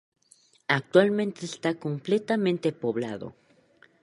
Actualmente está completamente despoblado.